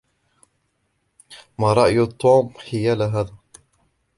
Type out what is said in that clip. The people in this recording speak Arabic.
ما رأي توم حيال هذا؟